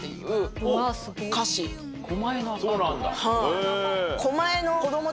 そうなんだへぇ。